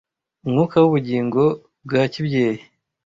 umwuka w'ubugingo bwa kibyeyi